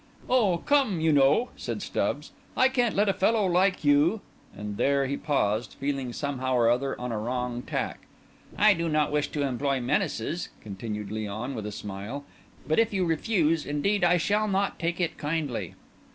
"Oh, come, you know," said Stubbs, "I can't let a fellow like you—" And there he paused, feeling somehow or other on a wrong tack. "I do not wish to employ menaces," continued Léon, with a smile; "but if you refuse, indeed I shall not take it kindly."